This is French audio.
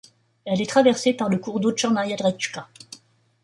Elle est traversée par le cours d'eau Tchornaïa retchka.